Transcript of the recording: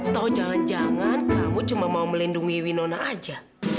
tau jangan jangan kamu cuma mau melindungi winona aja